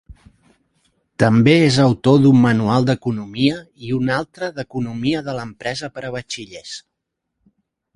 També és autor d'un manual d'Economia i un altre d'Economia de l'Empresa per a batxillers.